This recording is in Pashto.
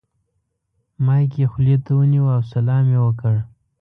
مایک یې خولې ته ونیو او سلام یې وکړ.